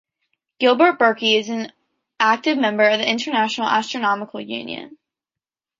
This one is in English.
Gilbert Burki is an active member of the International Astronomical Union.